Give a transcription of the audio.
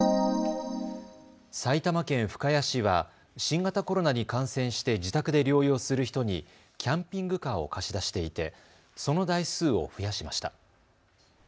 埼玉県深谷市は新型コロナに感染して自宅で療養する人にキャンピングカーを貸し出していてその台数を増やしました。